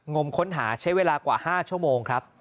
งมค้นหาใช้เวลากว่า๕ชั่วโมงครับ